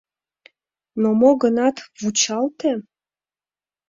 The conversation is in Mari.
— Но, мо гынат, вучалте.